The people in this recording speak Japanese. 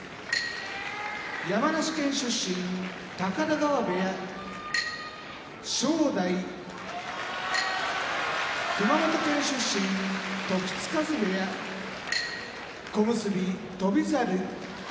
山梨県出身高田川部屋正代熊本県出身時津風部屋小結・翔猿